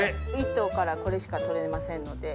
１頭からこれしか取れませんので。